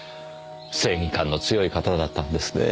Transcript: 正義感の強い方だったんですねえ。